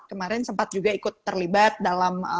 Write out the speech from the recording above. kemarin sempat juga ikut terlibat dalam